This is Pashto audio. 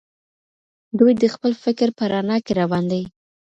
دوی د خپل فکر په رڼا کي روان دي.